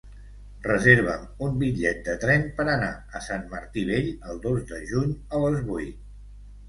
Reserva'm un bitllet de tren per anar a Sant Martí Vell el dos de juny a les vuit.